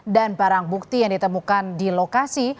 dan barang bukti yang ditemukan di lokasi